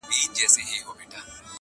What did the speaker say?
يوه ورځ وو د سرکار دام ته لوېدلى-